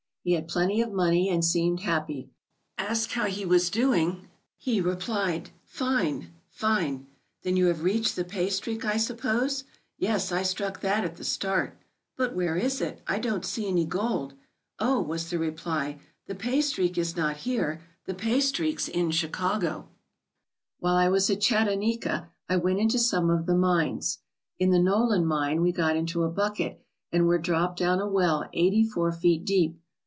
He had plenty of money and seemed happy. Asked how he was doing, he replied: "Fine! Fine!" "Then you have reached the paystreak, I suppose?" "Yes, I struck that at the start." " But where is it? I don't see any gold." "Oh," was the reply, "the paystreak is not here; the paystreak's in Chicago. " While I was at Chatanika I went into some of the mines. In the Nolan mine we got into a bucket and were dropped down a well eighty four feet deep.